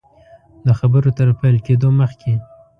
د خبرو تر پیل کېدلو مخکي.